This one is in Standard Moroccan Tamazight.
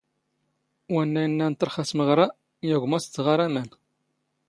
ⵡⴰⵏⵏⴰ ⵉⵏⵏⴰⵏ ⵜⵔⵅⴰ ⵜⵎⵖⵔⴰ ⵢⴰⴳⵯⵎ ⴰⵙ ⴷ ⵖⴰⵔ ⴰⵎⴰⵏ.